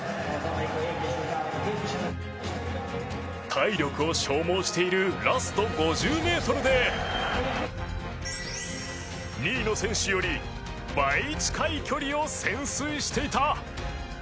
体力を消耗しているラスト５０メートルで２位の選手より倍近い距離を潜水していた！